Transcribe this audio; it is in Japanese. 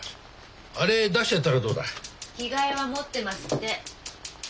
着替えは持ってますって。